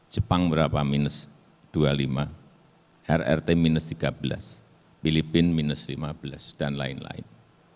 jepang berapa minus dua puluh lima rrt minus tiga belas filipina minus lima belas dan lain lain